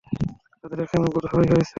তাদের এখন বোধোদয় হয়েছে।